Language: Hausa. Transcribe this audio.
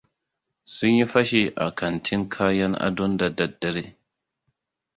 Sun yi fashi a kantin kayan adon da daddare.